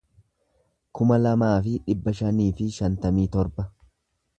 kuma lamaa fi dhibba shanii fi shantamii torba